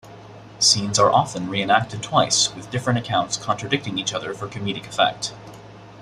Scenes are often re-enacted twice, with different accounts contradicting each other for comedic effect.